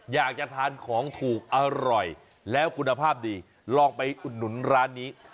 อยากจะทานของถูกอร่อยแล้วคุณภาพดีลองไปอุดหนุนร้านนี้